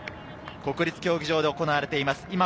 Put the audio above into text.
国立競技場で行われています。